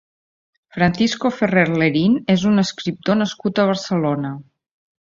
Francisco Ferrer Lerín és un escriptor nascut a Barcelona.